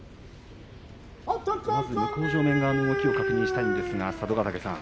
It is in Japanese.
向正面側の動きを確認したいんですが佐渡ヶ嶽さん